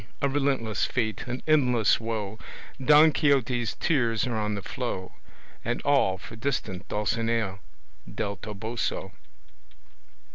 a Relentless fate, an endless woe; Don Quixote's tears are on the flow, And all for distant Dulcinea Del Toboso.